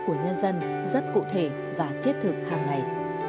vì lợi ích của nhân dân rất cụ thể và thiết thực hàng ngày